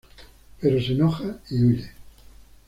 Pero se enoja y huye.